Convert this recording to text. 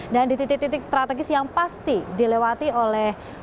dan di titik titik strategis yang pasti dilewati oleh